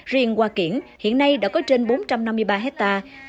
riêng hoa kiển hiện nay đã có trên bốn trăm năm mươi ba hectare